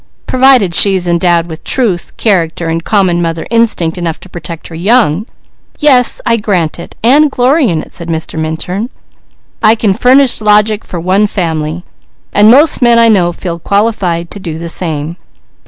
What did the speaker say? "Provided she be endowed with truth, character, and common mother instinct enough to protect her young yes I grant it, and glory in it," said Mr. Minturn. "I can furnish logic for one family, and most men I know feel qualified to do the same."